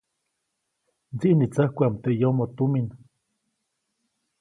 Mdsiʼnitsäjkuʼam teʼ yomoʼ tumin.